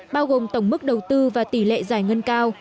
bao gồm tổng mức đầu tư và tỷ lệ giải ngân cao